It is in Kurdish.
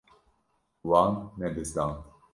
Wan nebizdand.